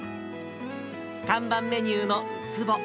看板メニューのウツボ。